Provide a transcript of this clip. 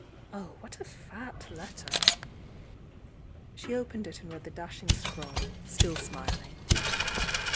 Oh, what a fat letter!" She opened it and read the dashing scrawl, still smiling.